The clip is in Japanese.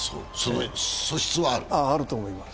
素質はあると思います。